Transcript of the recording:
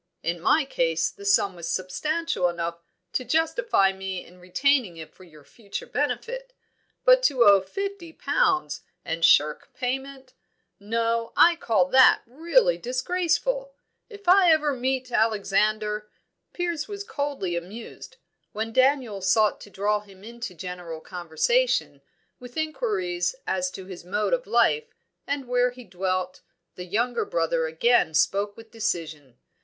In my case the sum was substantial enough to justify me in retaining it for your future benefit. But to owe fifty pounds, and shirk payment no, I call that really disgraceful. If ever I meet Alexander !" Piers was coldly amused. When Daniel sought to draw him into general conversation, with inquiries as to his mode of life, and where he dwelt, the younger brother again spoke with decision.